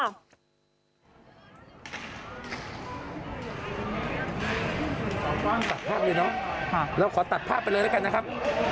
ต้องตัดภาพดีเนอะแล้วขอตัดภาพไปเลยแล้วกันนะครับ